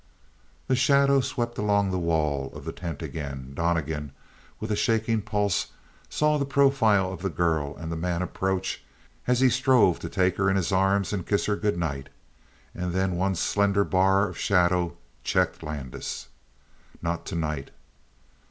The shadow swept along the wall of the tent again. Donnegan, with a shaking pulse, saw the profile of the girl and the man approach as he strove to take her in his arms and kiss her good night. And then one slender bar of shadow checked Landis. "Not tonight."